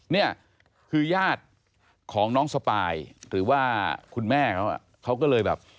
เนี่ยคือญาติของน้องสปายหรือว่าคุณแม่เขาเขาก็เลยแบบ